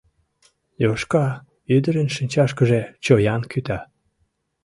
Йошка ӱдырын шинчашкыже чоян кӱта.